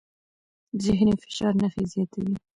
ذهني فشار نښې زیاتوي.